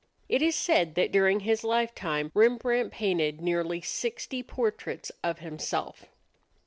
It is said that during his lifetime Rembrandt painted nearly sixty portraits of himself.